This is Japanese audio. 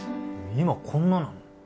今こんななの？